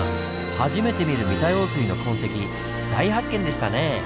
初めて見る三田用水の痕跡大発見でしたね！